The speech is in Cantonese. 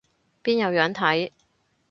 邊有樣睇